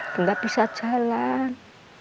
tidak bisa jalan